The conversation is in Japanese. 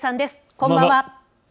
こんばんは。